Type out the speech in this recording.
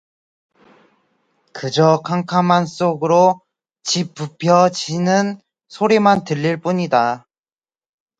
그저 캄캄한 속으로 짚 부벼치는 소리만 들릴 뿐이다.